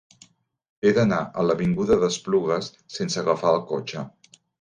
He d'anar a l'avinguda d'Esplugues sense agafar el cotxe.